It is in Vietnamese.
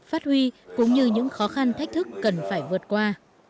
phát huy cũng như những khó khăn thách thức cần phải vượt qua